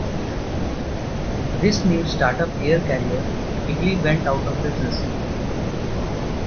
This new start-up air carrier quickly went out of business.